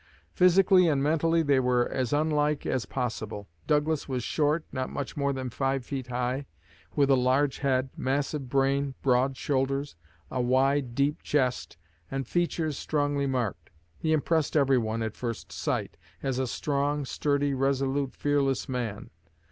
Physically and mentally, they were as unlike as possible. Douglas was short, not much more than five feet high, with a large head, massive brain, broad shoulders, a wide, deep chest, and features strongly marked. He impressed every one, at first sight, as a strong, sturdy, resolute, fearless man.